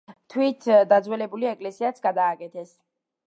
თვით დაძველებული ეკლესიაც გადაკეთეს.